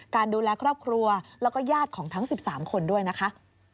ดูแลครอบครัวแล้วก็ญาติของทั้ง๑๓คนด้วยนะคะ